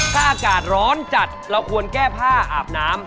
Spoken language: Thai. ถ้าอากาศร้อนจัดเราควรแก้ผ้าอาบน้ำ